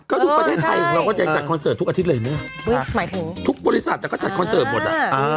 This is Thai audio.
ก็ดูประเทศไทยของเราก็จะจัดคอนเสิร์ตทุกอาทิตย์เลยไหมหมายถึงทุกบริษัทก็จัดคอนเสิร์ตหมดอ่ะ